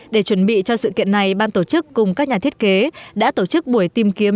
để chuẩn bị cho sự kiện này ban tổ chức cùng các nhà thiết kế đã tổ chức buổi tìm kiếm